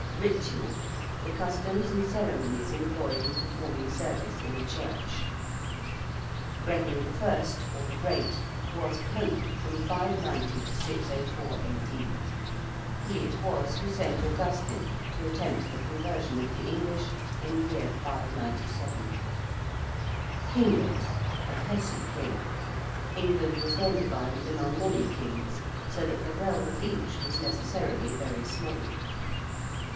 ~ritual~: the customs and ceremonies employed in performing service in a church. ~Gregory I.~ or ~the Great~ was Pope from 590 604 A.D. He it was who sent Augustine to attempt the conversion of the English in the year 597. ~kinglet~: a petty king. England was then divided among many kings, so that the realm of each was necessarily very small.